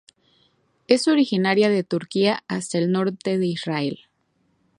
Es originaria de Turquía hasta el norte de Israel.